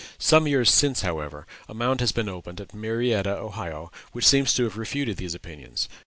Some years since, however, a mound was opened at Marietta, Ohio, which seems to have refuted these opinions.